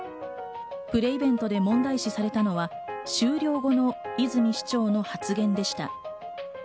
プレイベントで問題視されたのは、終了後の泉市長の発言でした。